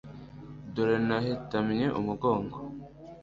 dore nahetamye umugongo